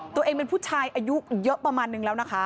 ตัวเองเป็นผู้ชายอายุเยอะประมาณนึงแล้วนะคะ